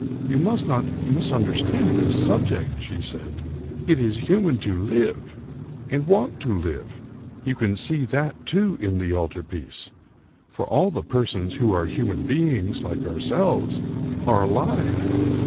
"You must not misunderstand this subject," she said. "It is human to live and want to live; you can see that, too, in the altar piece, for all the persons who are human beings, like ourselves, are alive."